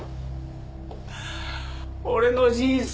俺の人生